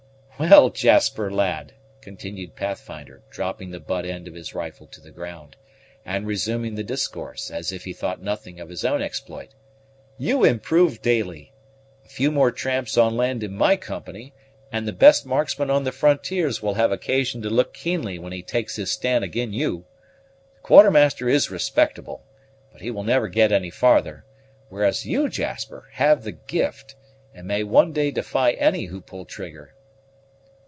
"Well, Jasper, lad," continued Pathfinder, dropping the butt end of his rifle to the ground, and resuming the discourse, as if he thought nothing of his own exploit, "you improve daily. A few more tramps on land in my company, and the best marksman on the frontiers will have occasion to look keenly when he takes his stand ag'in you. The Quartermaster is respectable, but he will never get any farther; whereas you, Jasper, have the gift, and may one day defy any who pull trigger."